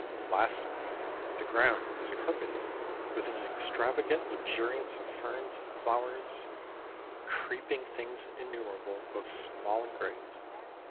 Lastly, the ground is carpeted with an extravagant luxuriance of ferns and flowers and "creeping things innumerable, both small and great."